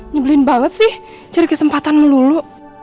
nyebelin banget sih cari kesempatan melulu